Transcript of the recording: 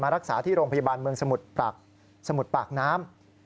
รักษาที่โรงพยาบาลเมืองสมุดปากน้ำ